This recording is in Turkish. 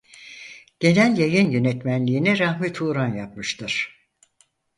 Genel Yayın Yönetmenliğini Rahmi Turan yapmıştır.